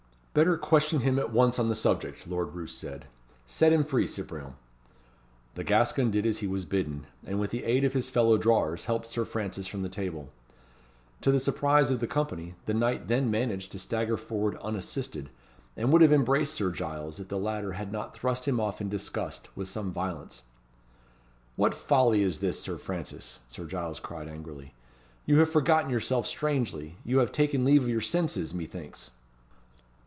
"Better question him at once on the subject," Lord Roos said. "Set him free, Cyprien." The Gascon did as he was bidden, and with the aid of his fellow drawers, helped Sir Francis from the table. To the surprise of the company, the knight then managed to stagger forward unassisted, and would have embraced Sir Giles, if the latter had not thrust him off in disgust, with some violence. "What folly is this, Sir Francis?" Sir Giles cried angrily. "You have forgotten yourself strangely, you have taken leave of your senses, methinks!"